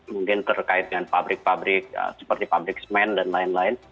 mungkin terkait dengan pabrik pabrik seperti pabrik semen dan lain lain